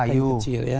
kayu kecil ya